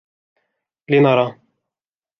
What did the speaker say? لنرى.